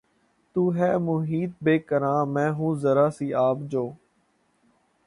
تو ہے محیط بیکراں میں ہوں ذرا سی آب جو